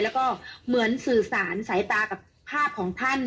แล้วก็เหมือนสื่อสารสายตากับภาพของท่าน